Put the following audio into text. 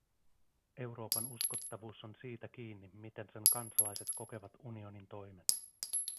Euroopan uskottavuus on siitä kiinni, miten sen kansalaiset kokevat unionin toimet.